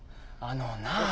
あのな。